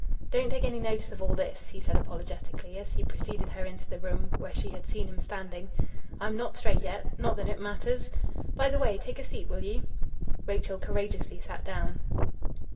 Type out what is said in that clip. "Don't take any notice of all this," he said apologetically, as he preceded her into the room where she had seen him standing. "I'm not straight yet.... Not that it matters. By the way, take a seat, will you?" Rachel courageously sat down.